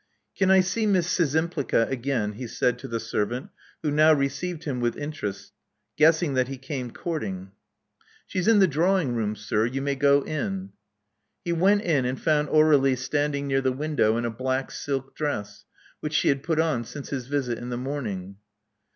"Can I see Miss Szczympliga again?" he said to the servant, who now received him with interest, guessing that he came courting. 222 Love Among the Artists She's in the drawing room, sir. You may go in." He went in and found Aur^lie standing near the window in a black silk dress, which she had put on since his visit in the morning.